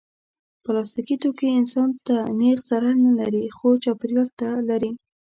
پلاستيکي توکي انسان ته نېغ ضرر نه لري، خو چاپېریال ته لري.